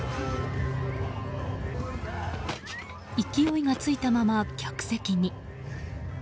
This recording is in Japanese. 勢いがついたまま客席に。